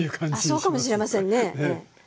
あっそうかもしれませんね。